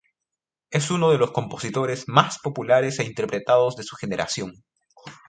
Es uno de los compositores más populares e interpretados de su generación.